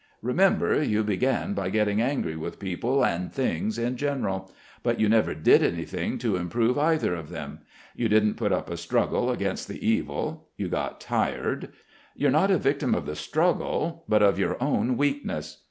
Remember, you began by getting angry with people and things in general; but you never did anything to improve either of them. You didn't put up a struggle against the evil. You got tired. You're not a victim of the struggle but of your own weakness.